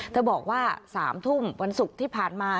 บอกว่า๓ทุ่มวันศุกร์ที่ผ่านมา